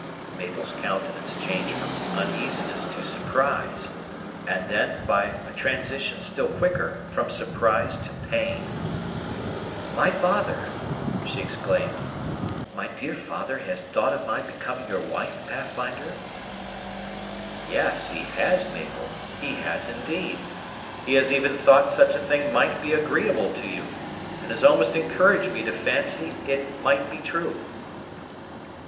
Mabel's countenance changed from uneasiness to surprise; and then, by a transition still quicker, from surprise to pain. "My father!" she exclaimed, "my dear father has thought of my becoming your wife, Pathfinder?" "Yes, he has, Mabel, he has, indeed. He has even thought such a thing might be agreeable to you, and has almost encouraged me to fancy it might be true."